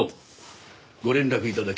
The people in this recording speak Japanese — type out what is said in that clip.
ご連絡頂き